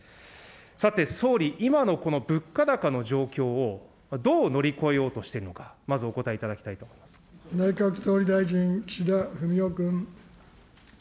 さて、総理、今のこの物価高の状況を、どう乗り越えようとしているのか、まずお答えいただきたい内閣総理大臣、岸田文雄君。